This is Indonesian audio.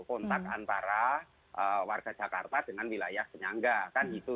kontak antara warga jakarta dengan wilayah penyangga kan gitu